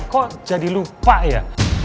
kok jadi lupa ya